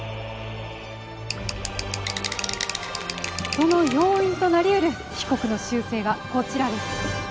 その要因となりうる被告の習性がこちらです。